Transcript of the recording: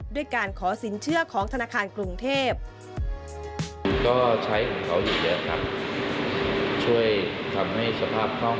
ด้วยการขอสินเชื่อของธนาคารกรุงเทพ